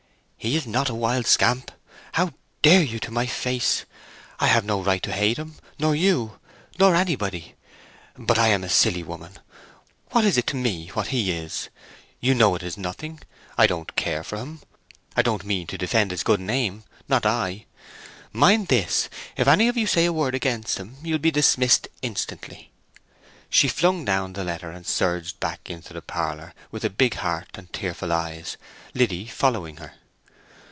"He's not a wild scamp! How dare you to my face! I have no right to hate him, nor you, nor anybody. But I am a silly woman! What is it to me what he is? You know it is nothing. I don't care for him; I don't mean to defend his good name, not I. Mind this, if any of you say a word against him you'll be dismissed instantly!" She flung down the letter and surged back into the parlour, with a big heart and tearful eyes, Liddy following her.